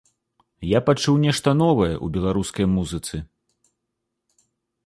Я пачуў нешта новае ў беларускай музыцы.